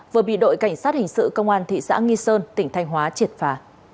vừa bị đội cảnh sát hình sự công an thị xã nghi sơn tỉnh thanh hóa triệt phá